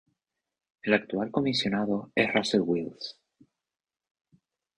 El actual Comisionado es Russell Wills.